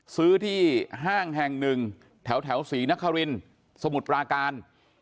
ซื้อที่ห้างแห่งหนึ่งแถวศรีนครินสมุทรปราการ